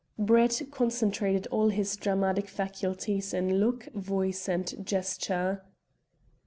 Brett concentrated all his dramatic faculties in look, voice, and gesture.